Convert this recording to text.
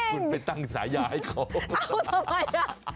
คุณไปตั้งสายยาให้เขา